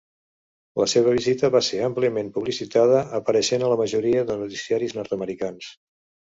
La seva visita va ser àmpliament publicitada, apareixent a la majoria de noticiaris nord-americans.